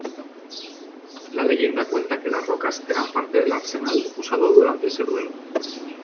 La leyenda cuenta que las rocas eran parte del arsenal usado durante ese duelo.